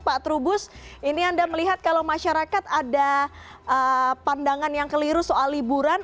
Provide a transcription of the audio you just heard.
pak trubus ini anda melihat kalau masyarakat ada pandangan yang keliru soal liburan